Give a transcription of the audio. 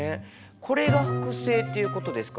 これが複製っていうことですか？